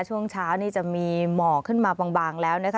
ช่วงเช้านี่จะมีหมอกขึ้นมาบางแล้วนะคะ